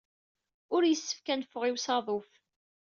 Ur yessefk ad neffeɣ i usaḍuf.